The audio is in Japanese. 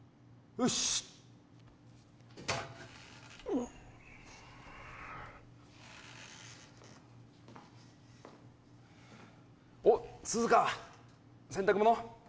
よしっおっ涼香洗濯物？